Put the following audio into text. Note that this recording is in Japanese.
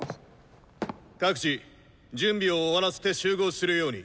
各自準備を終わらせて集合するように。